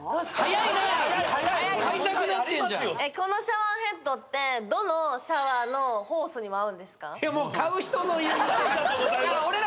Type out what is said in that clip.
早い早いこのシャワーヘッドってどのシャワーのホースにも合うんですか？